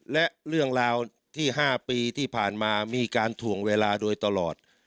และเรื่องราวที่๕ปีที่ผ่านมามีการถ่วงเวลาโดยตลอด